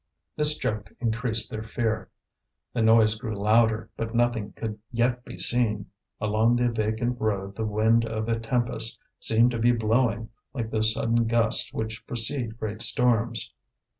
This joke increased their fear. The noise grew louder, but nothing could yet be seen; along the vacant road the wind of a tempest seemed to be blowing, like those sudden gusts which precede great storms.